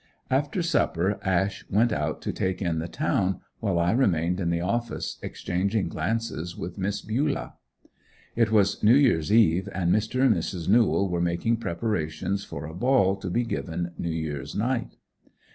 After supper Ash went out to take in the town, while I remained in the office exchanging glances with Miss Bulah. It was New Year's eve and Mr. and Mrs. Newell were making preparations for a ball to be given New Year's night.